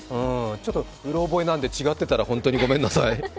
ちょっとうろ覚えなんで違ってたらごめんなさい。